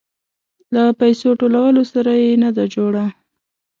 له پيسو ټولولو سره يې نه ده جوړه.